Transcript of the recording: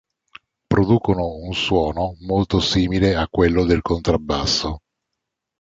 Producono un suono molto simile a quello del contrabbasso.